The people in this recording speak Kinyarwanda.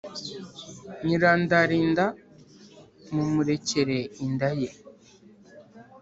Nyirandarinda mumurekere inda ye